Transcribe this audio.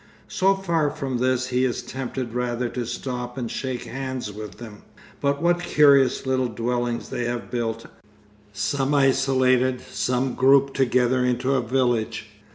So far from this he is tempted rather to stop and shake hands with them. But what curious little dwellings they have built, some isolated, some grouped together into a village!